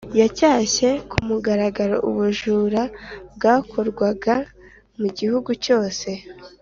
., yacyashye ku mugaragaro ubujura bwakorwaga mu gihugu cyose